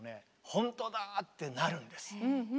ほんとだ！ってなるんですよ。